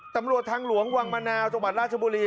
ตำรวจทางหลวงวังมะนาวจังหวัดราชบุรี